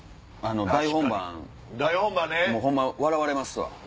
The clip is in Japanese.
大本番ホンマ笑われますわ。